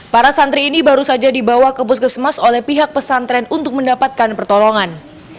para santri ini baru saja dibawa ke puskesmas oleh pihak pesantren untuk mendapatkan pertolongan